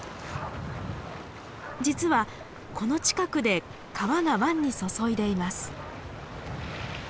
実はこの近くで川が湾に注いでいます。